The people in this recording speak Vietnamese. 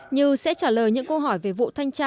như sẽ trả lời những thông tin của các cơ quan báo chí